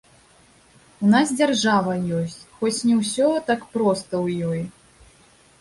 У нас дзяржава ёсць, хоць не ўсё так проста ў ёй.